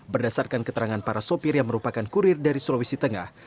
berdasarkan keterangan para sopir yang merupakan kurir dari sulawesi tengah